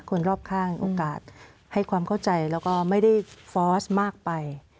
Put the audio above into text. คนรอบข้างโอกาสให้ความเข้าใจแล้วก็ไม่ได้ฟอสมากไป